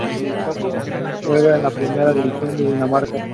Juega en la Primera División de Dinamarca.